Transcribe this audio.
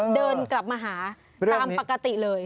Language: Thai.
เดินกลับมาหาตามปกติเลย